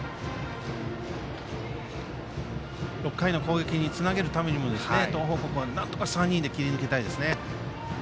６回の攻撃につなげるためにも東邦高校、なんとか３人で切り抜けたいですね。